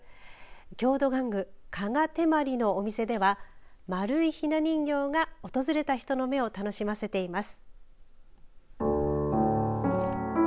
郷土玩具加賀てまりのお店では丸いひな人形が訪れた人の目を楽しませています。